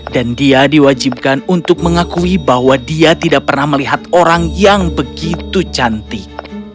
dan dia diwajibkan untuk mengakui bahwa dia tidak pernah melihat orang yang begitu cantik